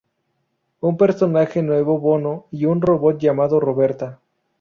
Un personaje nuevo bono y un robot llamado Roberta.